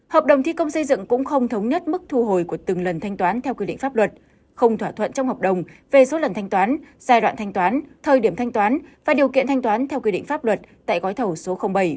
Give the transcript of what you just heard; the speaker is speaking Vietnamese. hợp đồng thi công xây dựng cũng không thống nhất mức thu hồi của từng lần thanh toán theo quy định pháp luật không thỏa thuận trong hợp đồng về số lần thanh toán giai đoạn thanh toán thời điểm thanh toán và điều kiện thanh toán theo quy định pháp luật tại gói thầu số bảy